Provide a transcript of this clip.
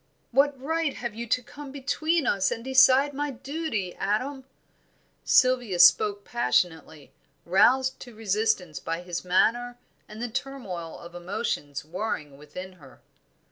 "What right have you to come between us and decide my duty, Adam?" Sylvia spoke passionately, roused to resistance by his manner and the turmoil of emotions warring within her.